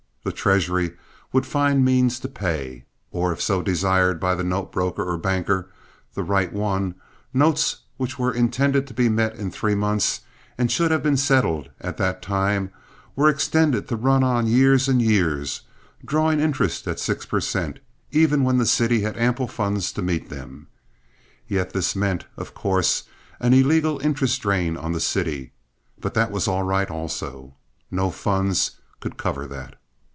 The treasury would find means to pay. Or, if so desired by the note broker or banker—the right one—notes which were intended to be met in three months, and should have been settled at that time, were extended to run on years and years, drawing interest at six per cent. even when the city had ample funds to meet them. Yet this meant, of course, an illegal interest drain on the city, but that was all right also. "No funds" could cover that.